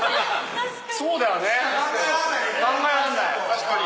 確かに。